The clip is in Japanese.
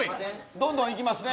どんどん行きますね。